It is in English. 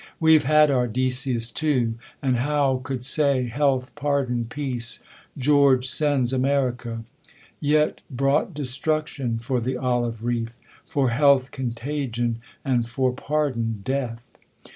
We've had our Decius too ; and Howe could say, Health, pardon, peace, George sends America ; Yet brought destruction for the olive wreath ; For health, contagion, and for pardon, death.